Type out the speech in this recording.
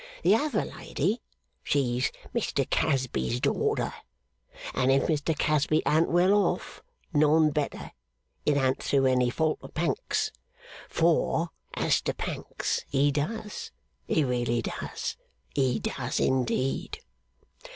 The other lady, she's Mr Casby's daughter; and if Mr Casby an't well off, none better, it an't through any fault of Pancks. For, as to Pancks, he does, he really does, he does indeed!